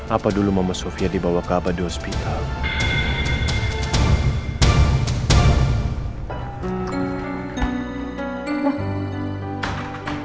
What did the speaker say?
apa dulu mama sofia dibawa ke abadi hospital